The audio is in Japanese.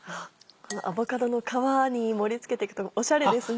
アボカドの皮に盛り付けていくとおしゃれですね。